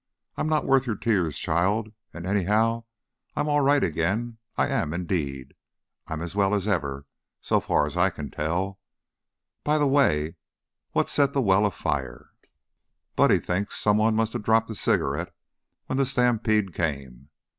"I'm not worth your tears, child. And, anyhow, I'm all right again; I am, indeed. I'm as well as ever, so far as I can tell. By the way, what set the well afire?" "Buddy thinks somebody must have dropped a cigarette when the stampede came."